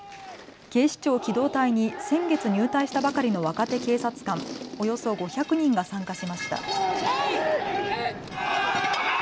警視庁機動隊に先月入隊したばかりの若手警察官、およそ５００人が参加しました。